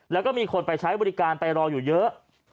แล้วก็มีคนไปใช้บริการไปรออยู่เยอะ